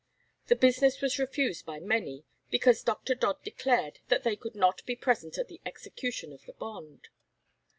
The business was refused by many, because Dr. Dodd declared that they could not be present at the execution of the bond.